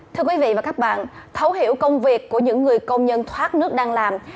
thưa quý vị và các bạn thấu hiểu công việc của những người công nhân thoát nước đang làm